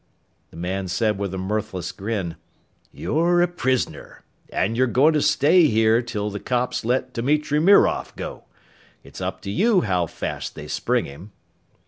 The man said with a mirthless grin, "You're a prisoner. And you're goin' to stay here until the cops let Dimitri Mirov go. It's up to you how fast they spring him."